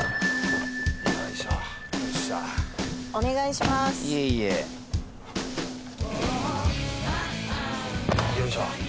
よいしょっよっしゃお願いしまーすいえいえよいしょ